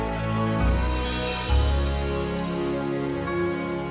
sampai jumpa lagi